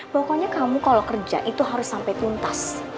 pokoknya kamu kalau kerja itu harus sampai tuntas